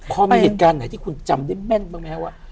พอมีเหตุการณ์ไหนที่คุณจำได้แม่นบ้างไหมครับว่า